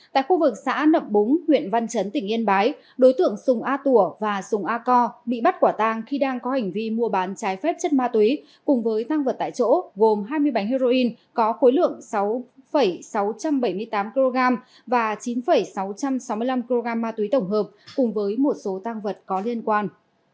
tại khu vực xã nậm búng huyện văn trấn tỉnh yên bái đối tượng sùng a tùa và sùng a co bị bắt quả tang khi đang có hành vi mua bán trái phép chất ma túy cùng với tăng vật tại chỗ gồm hai mươi bánh heroin có khối lượng sáu sáu trăm bảy mươi tám kg và chín sáu trăm sáu mươi năm kg ma túy tổng hợp cùng với một số tăng vật có liên quan